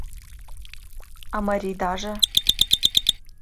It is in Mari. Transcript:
А марийдаже?